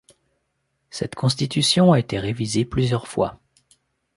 Cette constitution a été révisée plusieurs fois.